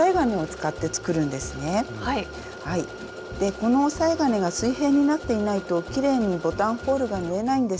この押さえ金が水平になっていないときれいにボタンホールが縫えないんです。